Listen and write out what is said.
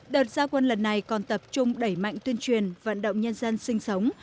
đợt gia quân lần này còn tập trung đẩy mạnh tuyên truyền vận động nhân dân sinh sống